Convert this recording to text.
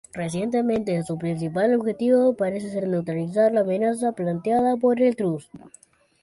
Recientemente, su principal objetivo parece ser neutralizar la amenaza planteada por El Trust.